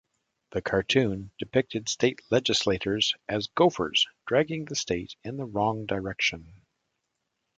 The cartoon depicted state legislators as gophers dragging the state in the wrong direction.